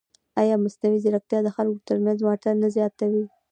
ایا مصنوعي ځیرکتیا د خلکو ترمنځ واټن نه زیاتوي؟